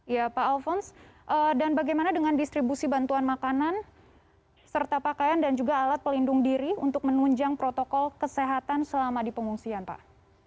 ya pak alfons dan bagaimana dengan distribusi bantuan makanan serta pakaian dan juga alat pelindung diri untuk menunjang protokol kesehatan selama di pengungsian pak